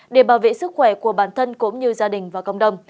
để bảo vệ sức khỏe của bản thân cũng như gia đình và cộng đồng